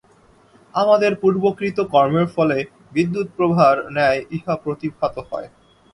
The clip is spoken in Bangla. আমাদের পূর্বকৃত কর্মের ফলে বিদ্যুৎপ্রভার ন্যায় ইহা প্রতিভাত হয়।